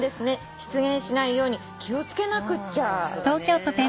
失言しないように気を付けなくっちゃ」だって。